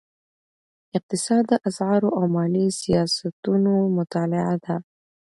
اقتصاد د اسعارو او مالي سیاستونو مطالعه ده.